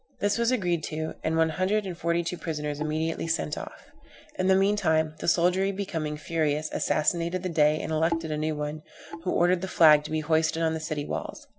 This was agreed to, and one hundred and forty two prisoners immediately sent off. In the mean time the soldiery becoming furious, assassinated the Dey and elected a new one, who ordered the flag to be hoisted on the city walls.